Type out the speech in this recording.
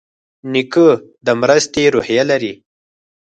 نیکه د مرستې روحیه لري.